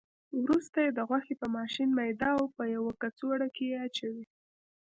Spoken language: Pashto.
وروسته یې د غوښې په ماشین میده او په یوه کڅوړه کې اچوي.